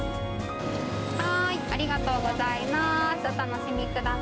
ありがとうございます。